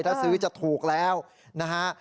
ถ้าซื้อจะถูกแล้วนะฮะ